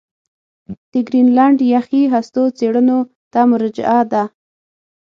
د ګرینلنډ یخي هستو څېړنو ته مراجعه ده